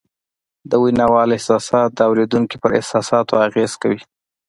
د ویناوال احساسات د اورېدونکي پر احساساتو اغېز کوي